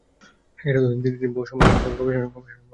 তিনি বহু সম্মেলনে গবেষণা প্রবন্ধ উপস্থাপন করেছেন।